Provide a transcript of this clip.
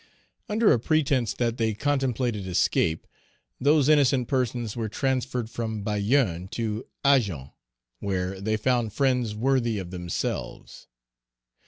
Under a pretence that they contemplated escape, those innocent persons were transferred from Bayonne to Agen, where they found friends worthy of themselves.